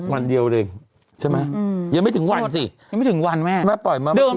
อืมอืมอืมอืมอืม